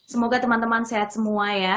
semoga teman teman sehat semua ya